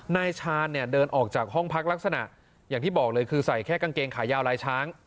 นายชาญเนี่ยเดินออกจากห้องพักลักษณะอย่างที่บอกเลยคือใส่แค่กางเกงขายาวลายช้าง